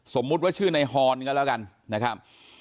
สมมุติว่าชื่อในฮอนก็แล้วกันนะครับ